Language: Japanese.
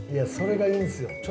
それがいいんですよ。